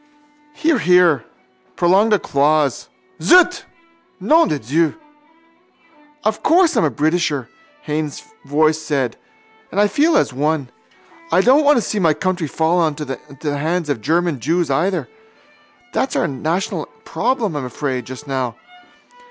Hear, hear! Prolonged applause. Zut! Nom de Dieu! —Of course I'm a Britisher, Haines's voice said, and I feel as one. I don't want to see my country fall into the hands of German jews either. That's our national problem, I'm afraid, just now.